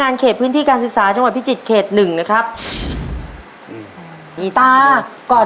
แสนแสนแสนแสนแสนแสนแสนแสนแสนแสนแสนแสนแสนแสน